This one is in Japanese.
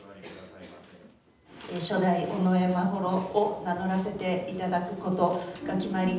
初代尾上眞秀を名乗らせていただくことが決まり。